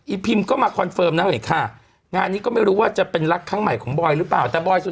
อีพิมก็มาคอนเฟิร์มนะเว้ยค่ะ